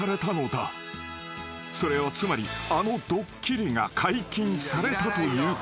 ［それはつまりあのドッキリが解禁されたということ］